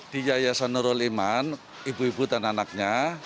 di yayasan nurul iman ibu ibu dan anaknya